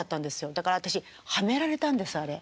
だから私はめられたんですあれ。